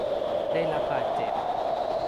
ได้รับบาดเจ็บ